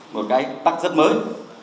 một cái tắt rất mới